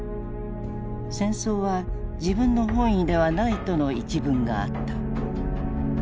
戦争は自分の本意ではないとの一文があった。